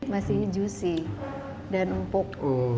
masih juicy dan empuk